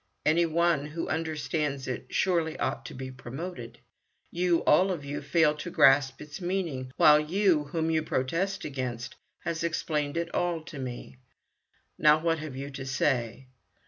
Any one who understands it surely ought to be promoted. You, all of you, fail to grasp its meaning, while Yoo, whom you protest against, has explained it all to me. Now what have you to say?